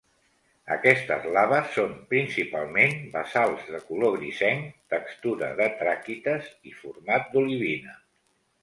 Aquestes laves són principalment basalts de color grisenc, textura de traquites i format d'olivina.